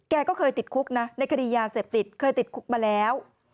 ก็เคยติดคุกนะในคดียาเสพติดเคยติดคุกมาแล้ว